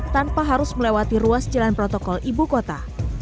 tanpa harus melewati ruas jalan protokol ibu kota